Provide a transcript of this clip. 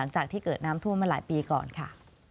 หลังจากที่เกิดน้ำท่วมมาหลายปีก่อนค่ะ